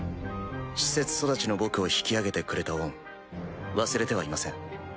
施設育ちの僕を引き揚げてくれた恩忘れてはいません。